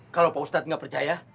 kalau pak ustadz nggak percaya